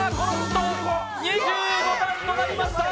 ２５段となりました。